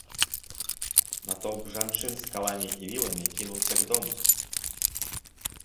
Натоўп жанчын з каламі і віламі кінуўся к дому.